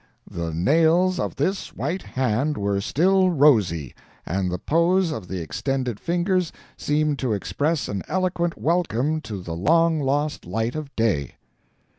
"The nails of this white hand were still rosy, and the pose of the extended fingers seemed to express an eloquent welcome to the long lost light of day."